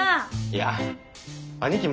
いや兄貴